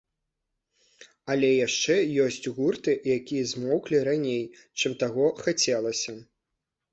Але яшчэ ёсць гурты, якія змоўклі раней, чым таго хацелася.